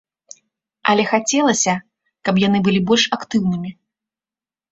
Але хацелася, каб яны былі больш актыўнымі.